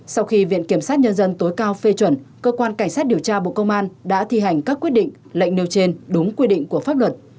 sau khi viện kiểm sát nhân dân tối cao phê chuẩn cơ quan cảnh sát điều tra bộ công an đã thi hành các quyết định lệnh nêu trên đúng quy định của pháp luật